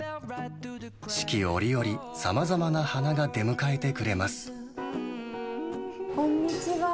四季折々、さまざまな花が出こんにちは。